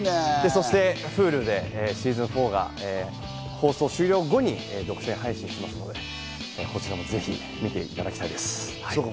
そしてＨｕｌｕでシーズン４が、放送終了後に独占配信スタートしますので、こちらもぜひ見ていただきたいと思います。